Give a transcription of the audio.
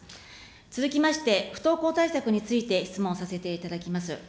続きまして、不登校対策について質問させていただきます。